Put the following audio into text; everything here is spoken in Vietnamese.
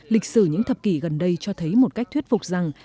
lịch sử những thập kỷ gần đây cho thấy một cách thuyết phục rằng